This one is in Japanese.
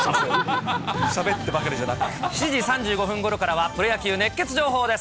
しゃべってばかりじゃ７時３５分ごろからは、プロ野球熱ケツ情報です。